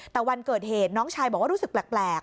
แต่วันเกิดเหตุน้องชายบอกว่ารู้สึกแปลก